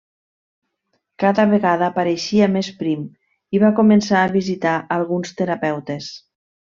Cada vegada apareixia més prim i va començar a visitar alguns terapeutes.